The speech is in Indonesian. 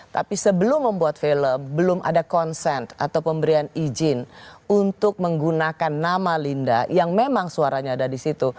tapi sebelum membuat film belum ada konsen atau pemberian izin untuk menggunakan nama linda yang memang suaranya ada di situ